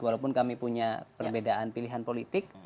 walaupun kami punya perbedaan pilihan politik